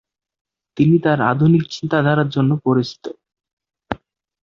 তিনি তার আধুনিক চিন্তাধারার জন্য পরিচিত।